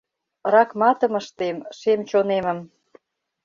Ракматым ыштем, шем чонемым